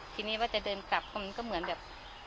ทีนี้ว่าจะเดินกลับมันก็เหมือนแบบ